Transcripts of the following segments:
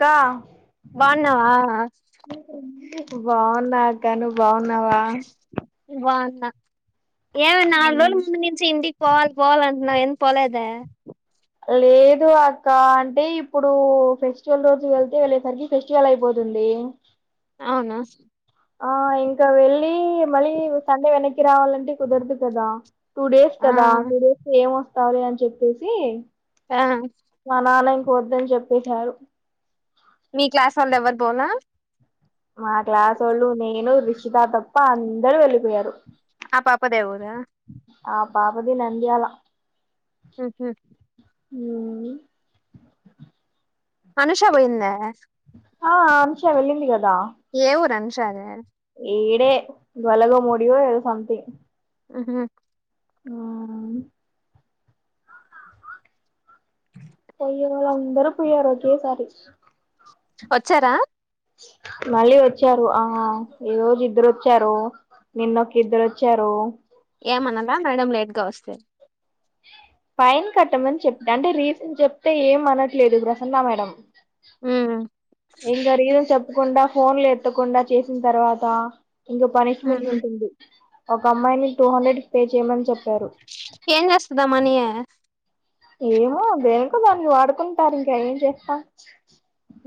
కా బాగున్నావా బాగున్నా కాను బావున్నా వాగా ఏమి నాలుగు రోజుల ముందు నుంచి ఇంటికి పోవాలి పోవాల అంటున్నావు ఎం పోలేద లేదు అక్క అంటే ఇప్పుడు ఫెస్టివల్ రోజు వెళ్తే వెళ్ళేసరికి ఫెస్టివల్ అయిపోతుంది అ అవునా ఆ ఇంకా వెళ్ళలి మళ్ళీ సన్నే వెనక్కి రావాలంటే కుదరదు కదా టూ డేస్ ఆ కదా టూ డేస్ ఏం వస్తార అని చెప్పేసి ఆ మా నాన్న ఇంక వద్దని చెప్పేశారు మీ క్లాస్ వాళ్ళ ఎవ్వరు పోనా మా క్లాస్ వాళ్ళు నేను రిషిత తప్ప అందరుూ వెళ్ళిపోయారు ఆ పాప దేవఊరా ఆ పాపతే నందీాలలా హుహు అ అనూష పోయిందా ఆ అనూష వెళ్ళింది కదా ఏ ఊరు అనూష ది ఈడే వలగ మోడియో ఏదో సంథింగ్ ఉహు ఆ పోయే వాళ్ళందరూ పోయారూ ఒకేసారి వచ్చారా మళ్ళీ వచ్చారు ఆ ఈ రోజు ఇద్దరు వచ్చారు నిన్నొక ఇద్దరు వచ్చారు ఏమనద మేడం లేట్ గా వస్తే ఫైన్ కట్టమని చెప్ప అంటే రీజన్ చెప్తే ఏం అనట్లేదు ప్రసన్న మేడం ఉ ఇంగా రీజన్ చెప్పకుండా ఫోన్లు ఎత్తకుండా చేసిన తర్వాత ఇంగా పనిష్మెంట్ ఉమ్ ఉంటుంది ఒక అమ్మాయిని టూ హండ్రెడ్ పే చేయమని చెప్ ఏం చేస్తది ఆ మనీయా దాని వాడుకుంటారు ఇంకా ఏం చేస్తా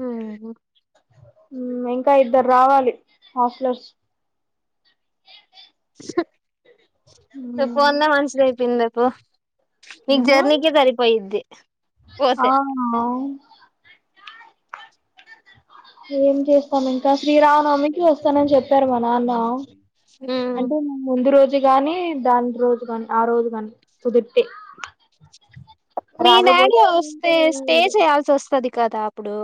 ఉహు ఇంకా ఇద్దరు రావాలి హాస్టల్ర్స్ ఉమ్. పోందే మంచిది అయిపోయింది ఎప్పు నీకు జర్నీకి సరిపోయిది ఆమ్మో ఏం చేస్తాం ఇంకా శ్రీరామనవమికి వస్తానని చెప్ మా నాన్న ఉమ్ అంటే మ ముందు రోజు గాని దాని రోజు కాని ఆ రోజు కాని కుదిరితే మీ డాడీ రాకపోతే ఇంకా వస్తే ఏం స్టే లేదు చేయాల్సి వస్తది కదా అప్పుడు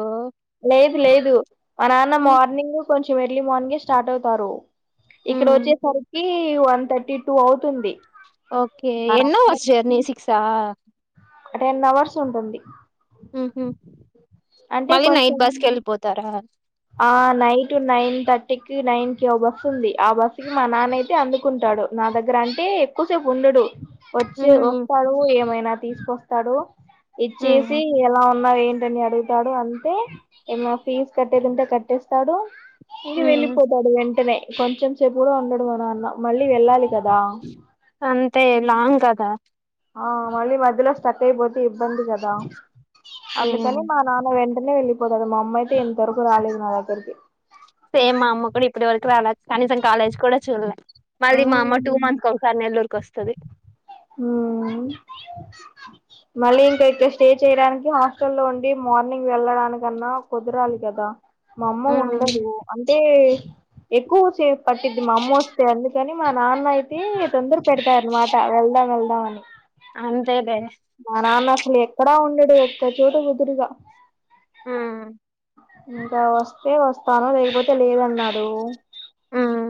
లేదు లేదు మా నాన్న ఉమ్. మార్నింగ్ కొంచెం ఎర్లీ మార్నింగు స్టార్ట్ అవుతారు ఇక్కడ హ్మ్ వచ్చేసరికి వన్ థర్టీ టూ అవుతుంది ఓకే ఎన్ని అవర్స్ జర్నీ సిక్స్ ఆ టెన్ అవర్స్ ఉంటుంది హుహు. అంటే మళ్ళీ నైట్ కొంచెం బస్కి వెళ్ళిపోతారా ఆ నైటు నైన్ థర్టీ కి నైన్ కి ఓ బస్ ఉంది ఆ బస్సు కి మా నానయితే అందుకుంటాడు నా దగ్గర అంటే ఎక్కువసేపు ఉండడు వచ్చి హ్మ్. వస్తాడు ఏమైనా తీసుకొస్తాడు ఇచ్చేసి హ్మ్. ఎలా ఉన్నావు ఏంటి అడుగుతాడు అంతే ఏమన్నా ఫీజ్ కట్టేది ఉంటే కట్టేస్తాడు ఇగా హ్మ్. వెళ్ళిపోతాడు వెంటనే కొంచెం సేపు కూడా ఉండడు మా నాన్న మళ్ళీ వెళ్ళాలి కదా అంతే లాంగ్ కదా ఆ మళ్ళీ మధ్యలో స్టక్ అయిపోతే ఇబ్బంది కదా హ్మ్. అందుకని మా నాన్న వెంటనే వెళ్ళి మా అమ్మాయితే ఇంతవరకు రాలేదు నా దగ్గరికి సేమ్ మా అమ్మ కూడా ఇప్పటి వరకు రాల కనీసం కాలేజ్ కూడా చూల్లె మళ్ళీ మా అమ్మ టూ ఉమ్ మంత్స్ ఒకసారి నెల్లూరుకి వస్తది హామ్ మళ్ళీ ఇంకా ఇక్కడ స్టే చేయడానికి హాస్టల్ల్లో ఉండి మార్నింగ్ వెళ్ళడానికన్నా కుదరాలి కదా మా అమ్మ హ్మ్. ఉండదు అంటే ఎక్కువ సేపు పట్టిది మా అమ్మ వ అందుకని మా నాన్న అయితే తొందర పెడతారన్నమాట వెళ్దాం వెళ్దాం అని అంతేలే మా నాన్న అసలు ఎక్కడా ఉండడు ఒక్క చోటు కుదురిగా ఉ ఇంకా వస్తే వస్తాను లేకపోతే లేదన్నాడు హ్మ్.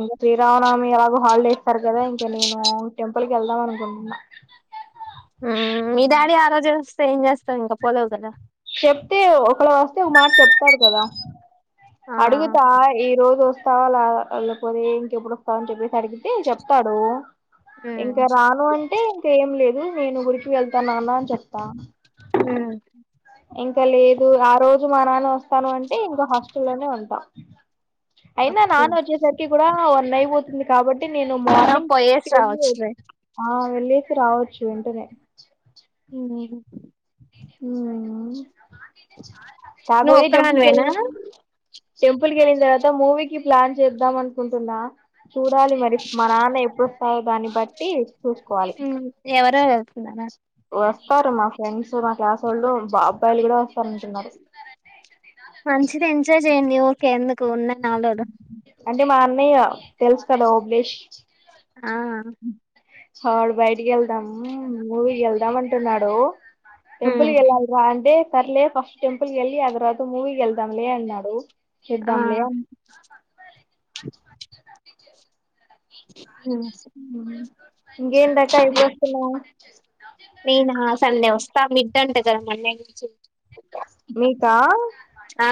ఇంకా శ్రీరామనవమి కి ఎలాగూ హాలిడే ఇస్తారు కదా ఇంకా నేను టెంపుల్ కి వెళ్దాం అనుకుంటున్నా మీ డాడీ ఆ రోజు చూస్తే ఏం చేస్తావు ఇంకా పోలేవు కదా చెప్తే ఒకలా వస్తే ఒక మాట చెప్తాడు కదా ఆ! అడుగుతా ఈ రోజు వస్తావా లావా లేకపోతే ఏంటి ఎప్పుడొస్తావ్ అని చెప్పేస్ అడిగితే చెప్తాడు హ్మ్. ఇంకా రాను అంటే ఇంక ఏం లేదు నేను గుడికి వెళ్తన్నాను అని చెప్తా. హూమ్ ఇంక లేదు ఆ రోజు మా నాన్న వస్తాను అంటే ఇంక హాస్టల్ల్లోనే ఉంటా. అయినా ఓకే. నాన్న వచ్చేసరికి కూడా వన్ అయిపోతుంది కాబట్ ట్టి నేను మార్నింగ్ పోయేసి రావచ్చులే. ఆ వెళ్లేసి రావచ్చు వెంటనే. హ్మ్. హూమ్ నువ్వు కాపోతే టెంపుల్ ఒక్కదానివేనా? కెళ్ళిన్ టెంపుల్ కెళ్ళిన తర్వాత మూవీ కి ప్లాన్ చేద్దాం అనుకుంటున్నా. చూడాలి మరి మా నాన్న ఎప్పుడొస్తాడో దాన్ని బట్టి చూసుకోవాలి ఎవరెవరు వెళ్తున్నారు వస్తారు మా ఫ్రెండ్స్ మా క్లాసోళ్ళు బ అబ్బాయిలు గూడ మంచిది ఎంజాయ్ చేయండి ఊకే ఎందుకు ఉన్నా నాలుగు రోలు అంటే మా అన్నయ్య తెలుసు కదా ఓబులేష్ ఆ వాడు బయటికెళ్దాం మూవీ కెళ్దాం అంటున్నాడు. హ్మ్. టెంపుల్ కెల్లాలి రా అంటే సర్లే ఫస్ట్ టెంపుల్ కెళ్ళి ఆ తర్వాత మూవీ కెళ్దాం లే అన్నాడు. చూద్దాం లే అన్ అ ఇంకెంటక్కా ఎప్పుడు వస్తున్నావు? నేనా సండే వస్తా మిడ్ అంట గద మండే నుంచి మీకా? ఆ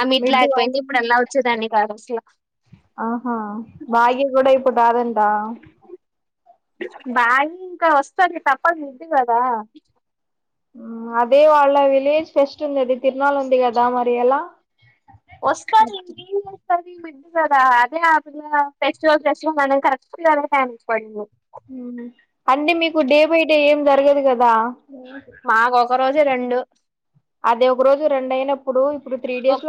ఆ మిడ్ లేకపోయింటే ఇప్పుడల్లా వచ్చేదాన్ని కాదు అసలా భాగ్య గూడ ఇప్పుడు రాదంటా? భాగి ఇంకా వస్తది తప్పదు మిడ్ గదా. హుమ్ అదే వాళ్ళ విలేజ్ ఫెస్ట్ ఉండిద్ది తిర్నాల ఉంది గదా మరి ఎలా? వస్కార్లే ఇంకేం చేస్ కాదు ఈ మధ్య తెగా హ్యాపీ హ్యాపీ గా ఫెస్టివల్ ఫెస్టివల్ అనేది కరెక్ట్ గా అదే టైమ్ కి పడింది. అండి మీకు డే బై డే ఏం జరగదు గదా మాకు ఒక రోజే రెండు అదే ఒక రోజు రెండు అయినప్పుడు ఇప్ ఒక్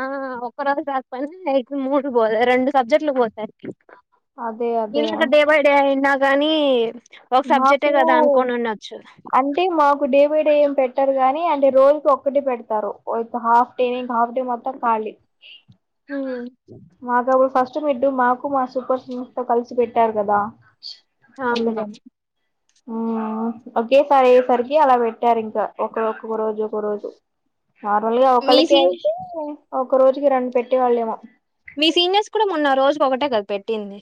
ఆ ఒక్క రోజు [unintelligible] డు బోతాయ్ రెండు సబ్జెక్ట్లు పోతాయ్ అదే వీళ్ళ అదే లెక్క డే బై డే అయున్నా గా కానీ మాకు అంటే మాక్ కు డే బై డే ఏం పెట్టారుగాని అంటే రోజుకి ఒక్కటే పెడతారు. ఓ ఒక్క హాఫ్ డే నే ఇంక హాఫ్ డ మొత్తం ఖాళీ. హ్మ్ మాకప్పుడు ఫస్ట్ మిడ్డు మాకు మా సూపర్ సీనియర్స్ తో కలిసి పెట్ టారు కదా హా [unintelligible] ఊమ్ ఒకేసారి అయ్యేసరికి అలా పెట్టారు ఇంకా ఒక ఒక్కొక్క రోజు ఒక రోజు. నార్మల్ గా మీ ఒకళ్ళకే సీన్ అయితే ఒక రోజుకి రెండు పెట్టే వాళ్ళేమో మీ సీనియర్స్ కూడా మొన్న రోజుకి ఒకటే కదా పెట్టింది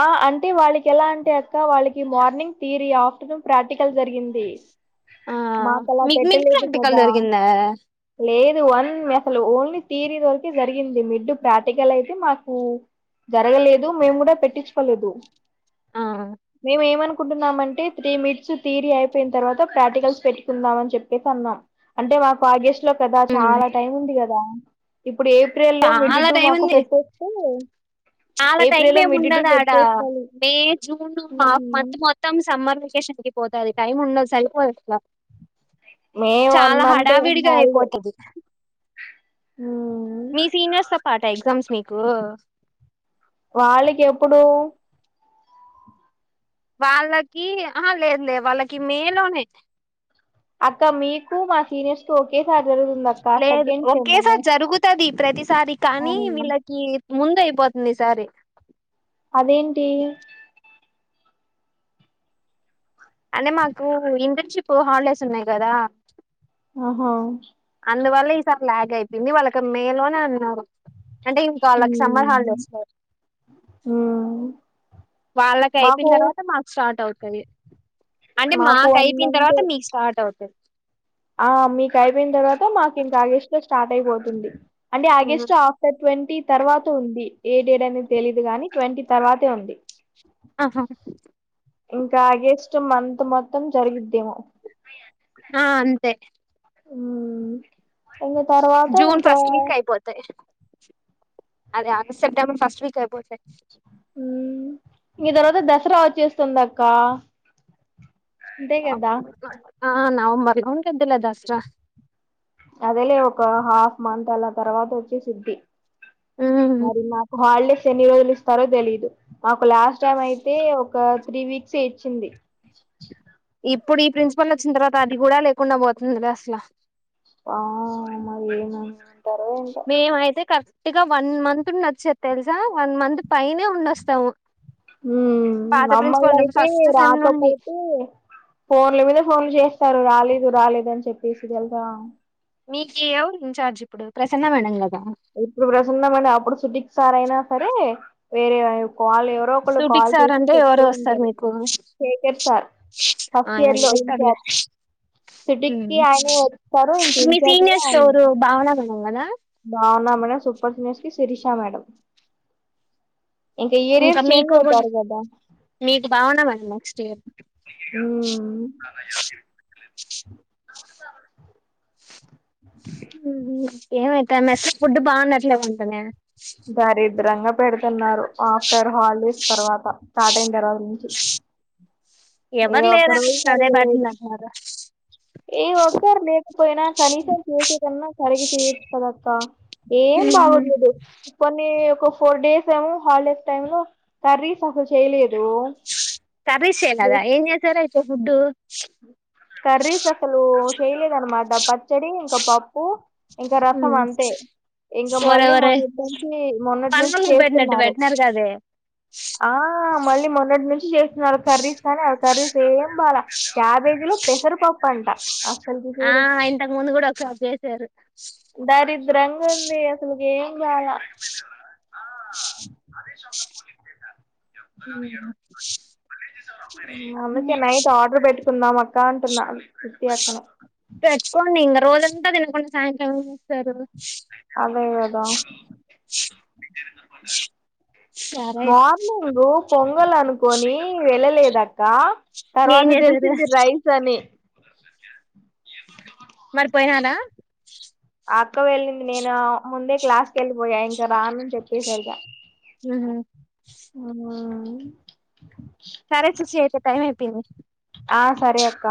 ఆ అంటే వాళ్ళకి ఎలా అంటే అక్క వాళ్ళకి మార్నింగ్ థియరీ ఆఫ్టర్నూన్ ప్రాక్టికల్ జరిగింది. ఆ మాకు అలా మీకు మిడ్ పెట్టలేదు ప్రాక్టికల్ కదా జరిగిందా ఇది వన్ అసలు ఓన్లీ థియరీ వరకే జరిగింది మిడ్ ప్రాక్టికల్ అయితే మాకు. జరగలేదు మేము గూడ పెట్టిచ్చుకోలేదు ఆ మేము ఏమన్ కుంటున్నామంటే త్రీ మిడ్స్ థియరీ అయిపోయిన తర్వాత ప్రాక్టికల్స్ పెట్టుకుందామని చెప్పేసి అన్నాం అంటే మాకు ఆగస్ట్ లో కదా హ్మ్ చాలా టైం ఉంది గదా ఇప్పుడు ఏప్రిల్ లో మిడ్ చాలా టూ మాకు పెట్టేస్తే అళ టైం ఏప్రిల్ లో ఏమి మిడ్ టు ఉండది ఆడా పెట్టేసుకోవాలి మే జూన్ మాఫ్ మంత్ మొత్తం సమ్మర్ ప్రీపకేషన్ క పోతుంది టైమ్ ఉండదు సరిపోయట్లా మే వన్ చాలా మంత్ హడావిడిగా హాలిడే అయిపోతది మీ సీనియర్స్ తో పాట ఎగ్జామ్స్ మీకు వాళ్ళకి ఎప్పుడు వాళ్ళకి ఆ లేదు లేదు వాళ్ళకి మే లోనే అక్క మీకు మా సీనియర్స్ కు ఒకేసారి జరుగుతుంది అక్క లేదు సెకండ్ సేమ్ ఒకేసారి జరుగుతది ప్రతిసారి కానీ వీళ్ళకి ముందు అయిపోతుంది ఈసారి అదేంటి అంటే మాకు ఇంటర్న్షిప్ హాలిడేస్ ఉన్నాయి కదా ఆహో అందువల్ల ఈసారి ల్యాగ్ అయిపోంది వాళ్ళకి మేలోనే అన్నారు అంటే ఇంకా వాళ్ళకి సమ్మర్ హాలి ఉమ్. చేేస్తు ఉమ్. వాళ్ళకి మాకు అయిపోయిన తర్వాత మాకు స్టార్ట్ అవుతది అంటే మాకు వన్ అయిపోయిన మంత్ తర్వాత మీకు స్టార్ట్ అవుతుంది ఆ మీకు అయిపోయిన తర్వాత మాకు ఇంకా ఆగేష్లో స్టార్ట్ అయిపోతుంది అంటే ఉమ్. ఆగస్ట్ ఆఫ్టర్ ట్వంటీ తర్వాత ఉంది. ఏ డేట్ అనేది తెలీయదు గాని ట్వంటీ తర్వాతే ఉంది ఆహా ఇంకా ఆగెస్ట్ మంత్ మొత్తం జరిగిద్దేమో ఆ అంతే అ తర్వాత జూన్ ఇంకా ఫస్ట్ వీక్ అయిపోతాయి అదే ఆగస్ సెప్టెంబర్ ఫస్ట్ వీక్ అయిపోతది ఈ తర్వాత దసరా వచ్చేస్తుంద అక్క అంతే కదా ఆ నవంబర్ ఉండిదిలే దసరా అదేలే ఒక హాఫ్ మంత్ అలా తర్వాత వచ్చి సిద్ధి ఉమ్. మరి మాకు హల్డేస్ ఎన్ని రోజులు ఇస్తారో తెలీదు మాకు ఒక లాస్ట్ టైం అయితే ఒక త్రీ వీక్స్ ఇచ్చింది. ఇప్పుడు ఈ ప్రిన్సిపల్ వచ్చిన తర్వాత అది కూడా లేకుండా పోతుందిద అసలు ఆ మరి ఏమో మేమయితే కరెక్ట్ గా వన్ మంత్ ఉండొచ్చ తెలుసా వన్ మంత్ పైనే ఉండొస్తాము. హ పాత ప్రిన్సిపాల్ మామ్మల్ ఉన్నప్పుడు అయితే ఫస్ట్ సెమ్ రాక నుండి పోతే ఫోన్ల మీద ఫోన్లు చేస్తారు రాలేదు రాలేదు అని చెప్పేసి తెలుసా మీకేవరు ఇన్ఛార్జ్ ఇప్పుడు ప్రసన్న మేడం కదా ఇప్పుడు ప్రసన్న మేడం అప్ ఫుడిక్ సారయినా సరే వేరే వాల్ ఎవరో ఒకళ్రు సూటికి కాల్ సార్ చేసి అంటే చెప్తూ ఎవరో వస్తారు ఉంటారు మీకు శేఖర్ సార్ ఫస్ట్ ఆయన ఇయర్ లో చేస్తారులే ఇంచార్జ్ సిట్టింగ్ ఆయన వస్తారు ఇంక మీ ఇన్ఛార్జ్ కూడా సీనియర్స్ ఆయనే ఎవరు భావన మేడం కదా మన సూపర్ సీనియర్స్ కి శిరిషా మేడం ఇంకా ఏరియర్ చేంజ్ మీకు కూడా అవుతారు కదా మీకు భావన మేడం నెక్స్ట్ ఇయర్ ఉం ఏమైత మెస్ ఫుడ్ బాగున్నట్లే ఉంటనే దారిద్రంగా పెడుతున్నారు ఆఫ్టర్ హాలిడేస్ తర్వాత స్టార్ట్ అయిన తర్వాత నుంచి ఏ ఎవరు ఒక్క లేరాండి రోజు మీరు అదే సరిగా బటి లేదు అంటున్నారా ఏ ఒక్కరు లేకపోయినా కనీసం చేసేదన్నా సరిగా చేయచ్చు కదక్క ఏం బాగుండదు కొన్ని ఒక ఫోర్ డేస్ ఏమో హాలిడేస్ టైమ్ లో కర్రీస్ అసలు చేయలేదు. కర్రీస్ చెయాలేదా ఏం చేసారు అయితే ఫుడ్ కర్రీస్ అసలు చేయలేదన్నమాట పచ్చడి ఇంకా పప్పు ఇంకా రసం అంతే ఇంకా ఓరే మళ్ళీ ఓరే మొన్నటి నుంచి మొన్నటి నుంచి పనోళ్ళకి పెట్టినట్టు చేస్తున్నారు పెట్టినారు కదే ఆ మళ్ళీ మొన్నటి నుంచి చె కర్రీస్ కానీ అ కర్రీస్ ఏం బాలే క్యాబేజీ లో పెసరిపప్పు అంట అసలుకి ఆ చూడు ఇంతకు ముందు కూడా ఒకసారి చేసారు దారిద్రంగా ఉంది అసలుకి ఏం బాలే ఉమ్ [unintelligible] అ అందుకే నైట్ ఆడర్ పెట్టు కుందం అక్క అంటున్నా శృతి అక్కని పెట్టుకోండి ఇంగ రోజంతా తినకుండా సాయంత్రం ఏం చేస్తారు అదే గదా సరే అయితే మార్నింగ్ పొంగల్ అనుకోని వెళ్ళలేదు కా ఏం తర్వాత చేసారు తెలిసింది రైస్ అని మరి పోయినారా అక్క వెళ్ళింది నేను ముందే క్లాస్ కి వెళ్ళిపోయా ఇంక రాను చెప్పసే ఇగ ఉహు అవునా ఆ సారే సే శ్వేత టైం అయిపోయింది ఆ సరే అక్క